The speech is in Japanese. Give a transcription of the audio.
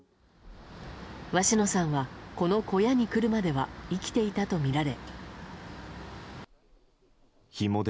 鷲野さんはこの小屋に来るまでは生きていたとみられ。